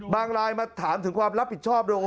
ไลน์มาถามถึงความรับผิดชอบด้วย